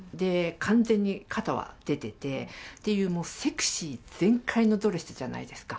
完全に肩は出ててっていう、もうセクシー全開のドレスじゃないですか。